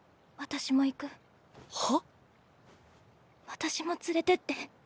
私も連れてって。